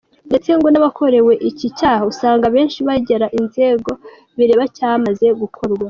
Ndetse ngo n’abakorewe iki cyaha usanga abenshi begera inzego bireba cyamaze gukorwa.